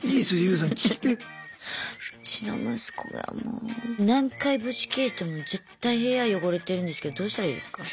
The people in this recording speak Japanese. うちの息子がもう何回ぶち切れても絶対部屋汚れてるんですけどどうしたらいいですか？